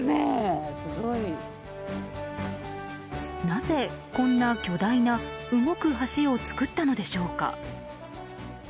なぜ、こんな巨大な動く橋を作ったのでしょうか？